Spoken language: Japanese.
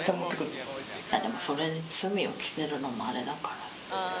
でもそれに罪を着せるのもあれだから。